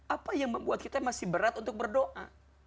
apa yang membuat kita masih berat untuk berdoa